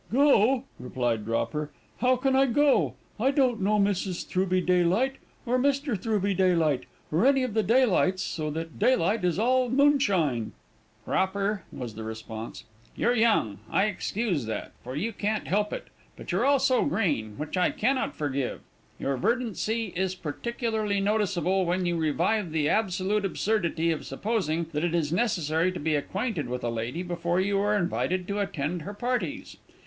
"Go," replied Dropper, "how can I go? I don't know Mrs. Throughby Daylight, or Mr. Throughby Daylight, or any of the Daylights, so that Daylight is all moonshine." "Dropper," was the response, "you're young; I excuse that, for you can't help it; but you're also green, which I cannot forgive; your verdancy is particularly noticeable when you revive the absolute absurdity of supposing that it is necessary to be acquainted with a lady before you are invited to attend her parties.